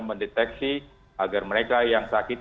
mendeteksi agar mereka yang sakit